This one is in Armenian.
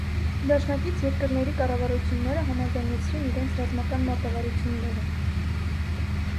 Դաշնակից երկրների կառավարությունները համաձայնեցրեցին իրենց ռազմական մարտավարությունները։